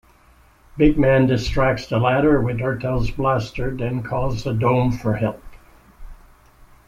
Bigman distracts the latter with Urteil's blaster, then calls the Dome for help.